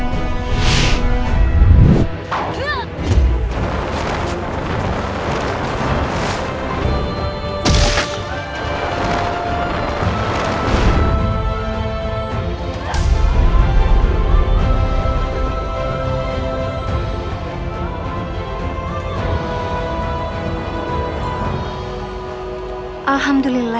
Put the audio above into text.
semuanya sudah muda hamba